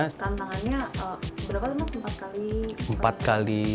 tantangannya berapa lu mas empat kali